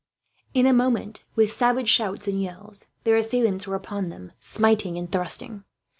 In a moment, with savage shouts and yells, their assailants were upon them, smiting and thrusting.